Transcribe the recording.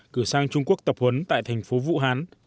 cử sang trung quốc tập huấn tại thành phố vũ hán